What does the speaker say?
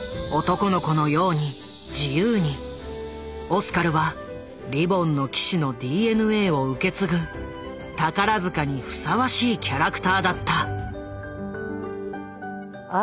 オスカルは「リボンの騎士」のＤＮＡを受け継ぐ宝塚にふさわしいキャラクターだった。